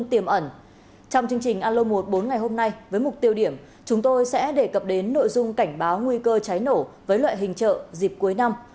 trong bức tiêu điểm chúng tôi sẽ đề cập đến nội dung cảnh báo nguy cơ cháy nổ với loại hình trợ dịp cuối năm